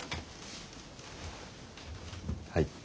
はい。